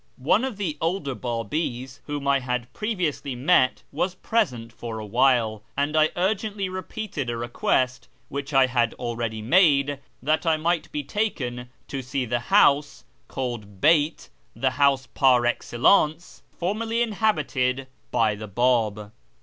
One of the older Babis whom I had previously met was present for a while ; and I urgently repeated a request, which I had already made, that I might be taken to see the house (called " Beyt "—" the House " par excellence) formerly inhabited by the Bab.